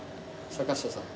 坂下さん。